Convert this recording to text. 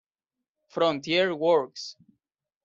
Frontier Works